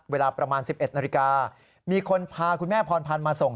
เวลาประมาณ๑๑นาฬิกามีคนพาคุณแม่พรพันธ์มาส่ง